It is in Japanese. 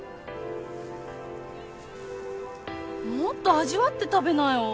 もっと味わって食べなよ！